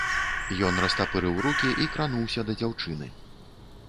Ён растапырыў рукі і крануўся да дзяўчыны.